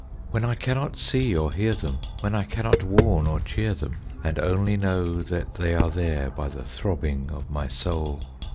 When I cannot see or hear them; When I cannot warn or cheer them; And only know that they are there By the throbbing of my soul.